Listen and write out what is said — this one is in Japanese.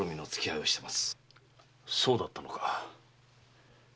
そうだったのか。